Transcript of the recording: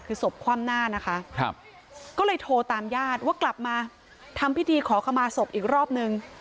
คือศพคว่ำหน้านะคะก็เลยโทรตามญาติว่ากลับมาทำพิธีขอขมาศพอีกรอบนึง